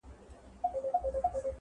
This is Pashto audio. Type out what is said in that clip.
یوه لمسي ورڅخه وپوښتل چي ګرانه بابا-